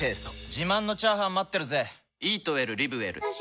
自慢のチャーハン待ってるぜ！